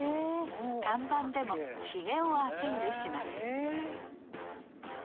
看板でもヒゲをアピールします